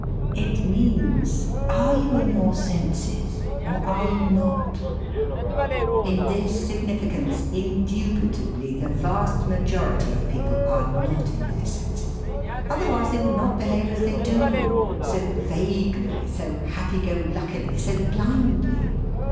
'It means, Are you in your senses or are you not?' In this significance, indubitably the vast majority of people are not in their senses; otherwise they would not behave as they do, so vaguely, so happy go luckily, so blindly.